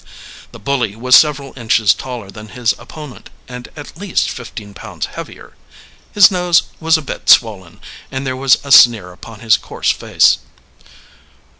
The bully was several inches taller than his opponent and at least fifteen pounds heavier. His nose was a bit swollen, and there was a sneer upon his coarse face.